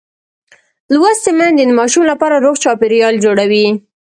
لوستې میندې د ماشوم لپاره روغ چاپېریال جوړوي.